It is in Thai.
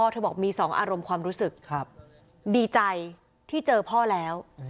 เธอบอกมี๒อารมณ์ความรู้สึกดีใจที่เจอพ่อแล้ว